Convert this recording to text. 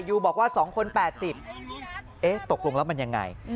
ยูบอกว่า๒คน๘๐ตกลงแล้วมันยังไง